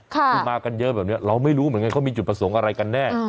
คือมากันเยอะแบบนี้เราไม่รู้เหมือนกันเขามีจุดประสงค์อะไรกันแน่